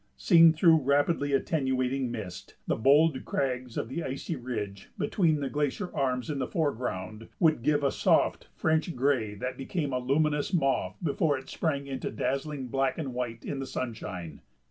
Seen through rapidly attenuating mist, the bold crags of the icy ridge between the glacier arms in the foreground would give a soft French gray that became a luminous mauve before it sprang into dazzling black and white in the sunshine.